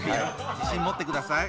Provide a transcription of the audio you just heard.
自信持ってください。